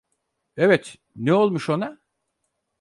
Evet, ne olmuş ona?